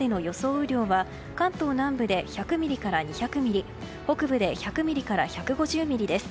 雨量は関東南部で１００ミリから２００ミリ北部で１００ミリから１５０ミリです。